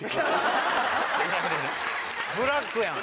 ブラックやん。